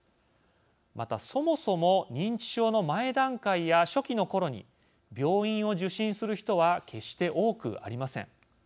また、そもそも認知症の前段階や初期のころに病院を受診する人は決して多くありません。